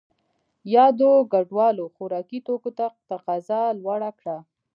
یادو کډوالو خوراکي توکو ته تقاضا لوړه کړه.